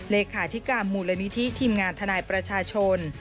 เลขาธิการมูลนิธิทีมงานทนายประชาชน